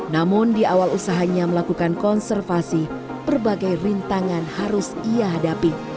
namun di awal usahanya melakukan konservasi berbagai rintangan harus ia hadapi